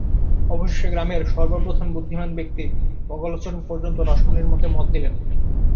অবশেষে গ্রামের সর্বপ্রধান বুদ্ধিমান ব্যক্তি বগলাচরণ পর্যন্ত রাসমণির মতে মত দিল।